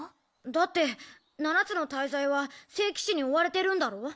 だって七つの大罪は聖騎士に追われてるんだろ？